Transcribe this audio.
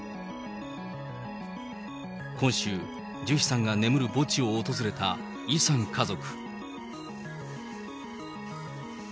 今週、ジュヒさんが眠る墓地を訪れたイさん家族。